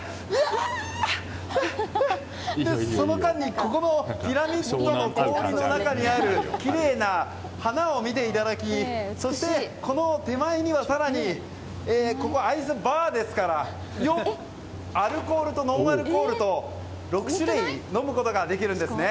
その間にここのピラミッドの氷の中にあるきれいな花を見ていただきそして、この手前には更に、ＩＣＥＢＡＲですからアルコールとノンアルコールと６種類飲むことができるんですね。